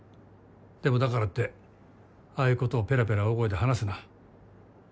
でもだからってああいうことをペラペラ大声で話すな。